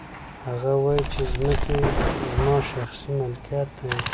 هغه وايي چې ځمکې زما شخصي ملکیت دی